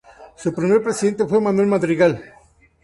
Su primer presidente fue Manuel Madrigal.